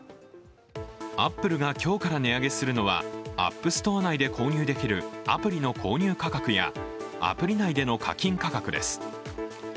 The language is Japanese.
アップルが今日から値上げするのは、ＡｐｐＳｔｏｒｅ内で購入できるアプリの購入価格やアプリ内での課金価格です。